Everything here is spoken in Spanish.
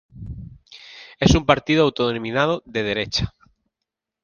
Es un partido autodenominado de derecha.